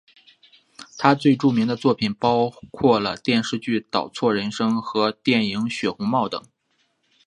他最著名的作品包括了电视剧倒错人生和电影血红帽等。